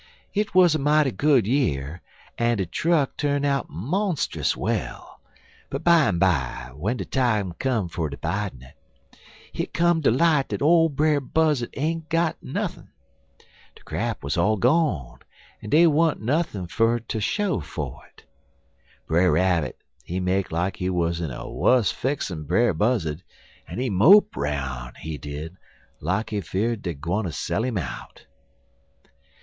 Hit wuz a mighty good year, en de truck tu'n out monstus well, but bimeby, w'en de time come fer dividjun, hit come ter light dat ole Brer Buzzard ain't got nuthin'. De crap wuz all gone, en dey want nuthin' dar fer ter show fer it. Brer Rabbit, he make like he in a wuss fix'n Brer Buzzard, en he mope 'roun', he did, like he fear'd dey gwineter sell 'im out.